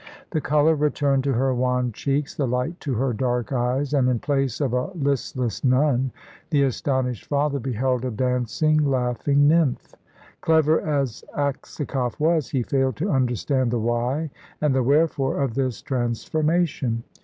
The colour returned to her wan cheeks, the light to her dark eyes, and in place of a listless nun the astonished father beheld a dancing, laughing nymph. Clever as Aksakoff was, he failed to understand the why and the wherefore of this transformation.